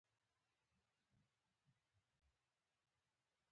نابغه ګان بې له علمه د سپینو زرو په شان دي.